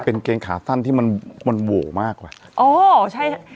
เป็นเกงขาสั้นที่มันหัวมากเลย